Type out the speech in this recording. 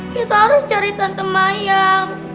kita harus cari tante ayam